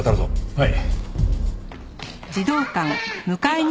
はい。